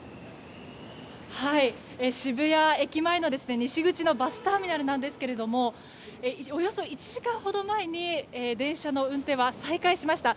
渋谷駅前の西口のバスターミナルですがおよそ１時間ほど前に電車の運転は再開しました。